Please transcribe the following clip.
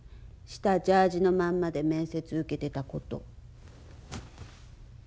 下ジャージのまんまで面接受けてたこと。